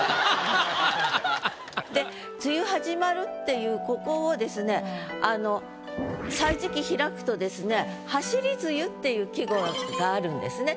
で「梅雨はじまる」っていうここをですねあの歳時記開くとですね「走り梅雨」っていう季語があるんですね。